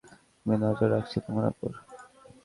আমি নজর রাখছি তোমার ওপর।